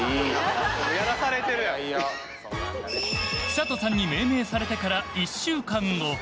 寿人さんに命名されてから１週間後。